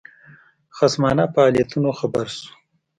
خصمانه فعالیتونو خبر شو.